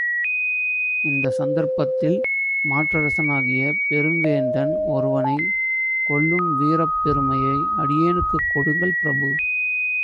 இந்தச் சந்தர்ப்பத்தில், மாற்றரசனாகிய பெருவேந்தன் ஒருவனைக் கொல்லும் வீரப் பெருமையை அடியேனுக்குக் கொடுங்கள் பிரபு!